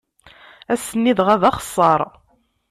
Ass-nni dɣa, d axeṣṣaṛ.